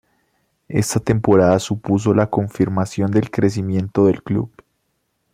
Esta temporada supuso la confirmación del crecimiento del Club.